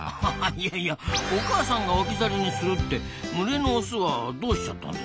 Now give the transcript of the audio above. いやいやお母さんが置き去りにするって群れのオスはどうしちゃったんですか？